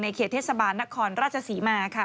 ในเขตเทศบาลนักคลราชสีมาค่ะ